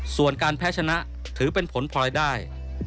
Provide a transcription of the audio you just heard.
ส่วนการแพ้ชนะถือเป็นผลพลอยได้